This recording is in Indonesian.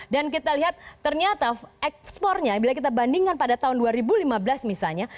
dan kita lihat ternyata ekspornya bila kita bandingkan pada tahun dua ribu lima belas misalnya